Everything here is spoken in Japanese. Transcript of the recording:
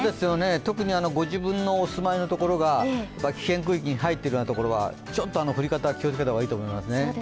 特にご自分のお住まいのところが危険区域に入っているところはちょっと降り方に気をつけた方がいいと思います。